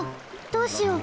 どうしよう！